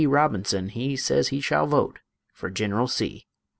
Robinson he Sez he shall vote for Gineral C.